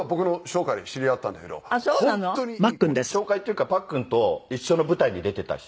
紹介っていうかパックンと一緒の舞台に出てた。